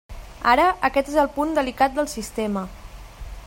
Ara, aquest és el punt delicat del sistema.